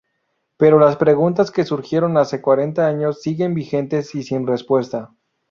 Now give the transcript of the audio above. Pero las preguntas que surgieron hace cuarenta años siguen vigentes y sin respuesta.